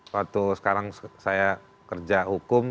waktu sekarang saya kerja hukum